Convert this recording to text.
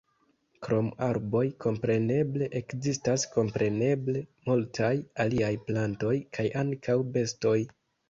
Krom arboj kompreneble ekzistas kompreneble multaj aliaj plantoj kaj ankaŭ bestoj.